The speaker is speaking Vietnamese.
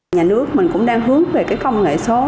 nhà nước mình cũng đang hướng về cái công nghệ số